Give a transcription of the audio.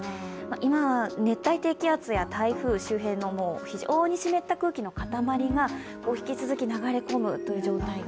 今は熱帯低気圧や台風周辺の非常に湿った空気の塊が引き続き流れ込むという状態が。